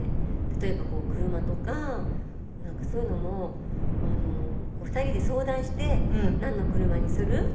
例えば車とかそういうのも２人で相談してなんの車にする？とか。